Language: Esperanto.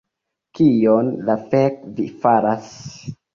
Kion la fek' vi faras